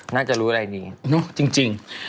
น่าจะรู้อะไรนี้จริง